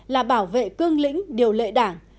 là bảo vệ cương lĩnh điều lệ đảng